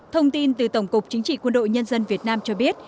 thông tin từ tổng cục chính trị quân đội nhân dân việt nam cho biết